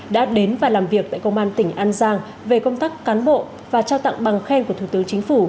đã đến và làm việc tại công an tỉnh an giang về công tác cán bộ và trao tặng bằng khen của thủ tướng chính phủ